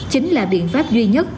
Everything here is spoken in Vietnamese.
chính là biện pháp duy nhất